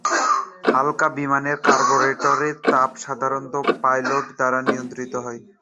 হালকা বিমানে, কার্বোরেটরের তাপ সাধারণত পাইলট দ্বারা নিয়ন্ত্রিত হয়।